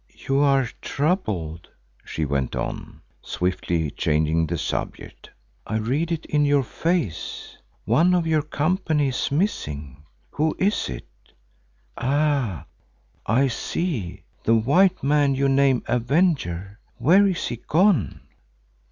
"You are troubled," she went on, swiftly changing the subject, "I read it in your face. One of your company is missing. Who is it? Ah! I see, the white man you name Avenger. Where is he gone?"